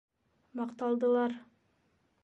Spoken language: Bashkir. Маҡталдылар.